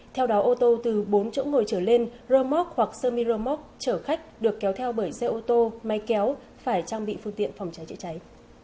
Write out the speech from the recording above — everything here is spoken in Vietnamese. theo đó ô tô từ bốn chỗ ngồi chở lên rơm mốc hoặc sơ mi rơm mốc chở khách được kéo theo bởi xe ô tô máy kéo phải trang bị phương tiện phòng cháy chữa cháy